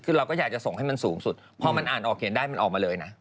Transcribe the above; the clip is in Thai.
คือเราก็อยากจะส่งให้มันสูงสุดพอมันอ่านออกเขียนได้มันออกมาเลยนะ